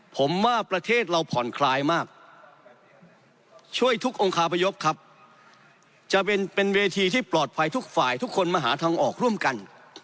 ผมว่าประเทศเราผ่อนคลายมากช่วยทุกองคาพยพครับจะเป็นเวทีที่ปลอดภัยทุกฝ่ายทุกคนมาหาทางออกร่วมกัน